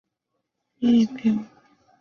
以下是赤道畿内亚的机场列表。